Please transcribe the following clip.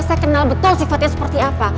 saya kenal betul sifatnya seperti apa